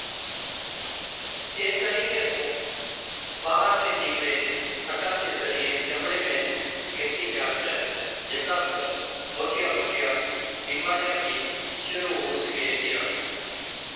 اي طرِيقي سُون ٻارهلَي جِيوڙَي فٽا چي ذريعي چمڙِي ۾ گھِرتِي جا ڇَي، جڪا سُون موٽِيا موٽِيا بِيمارِيا بِي شرُوع هُو سِگھي هِتِيا۔